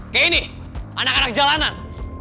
kayak ini anak anak jalanan